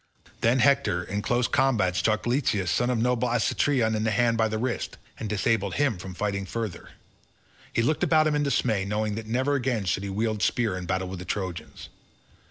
Then Hector in close combat struck Leitus son of noble Alectryon in the hand by the wrist, and disabled him from fighting further. He looked about him in dismay, knowing that never again should he wield spear in battle with the Trojans.